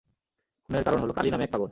খুনের কারণ হল কালী নামে এক পাগল।